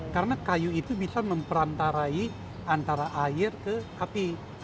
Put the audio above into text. karena kayu itu bisa memperantarai antara air ke api